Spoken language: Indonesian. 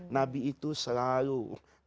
nabi itu selalu berkata kata